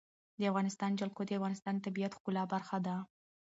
د افغانستان جلکو د افغانستان د طبیعت د ښکلا برخه ده.